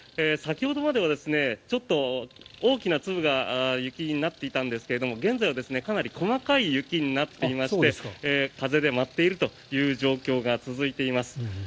先ほどまではちょっと大きな粒が雪になっていたんですが現在はかなり細かい雪になっていまして風で舞っているという状況が続いています。